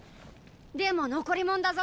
でも残りもんだぞ。